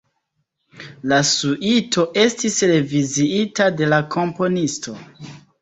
La suito estis reviziita de la komponisto.